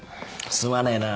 すまねえなぁ。